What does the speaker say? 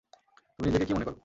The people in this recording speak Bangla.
তুমি নিজেকে কী মনে কর?